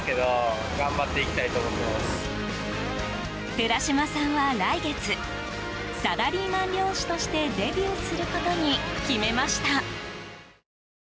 寺島さんは来月サラリーマン漁師としてデビューすることに決めました。